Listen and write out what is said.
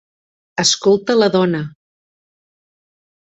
Escolta la dona!